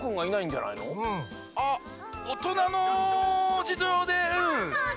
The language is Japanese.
あっおとなのじじょうでうん。